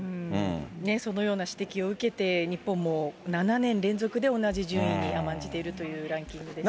そのような指摘を受けて、日本も７年連続で同じ順位に甘んじているというランキングですね。